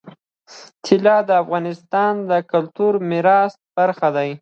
طلا د افغانستان د کلتوري میراث برخه ده.